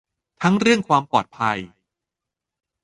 ทั้งเรื่องความปลอดภัย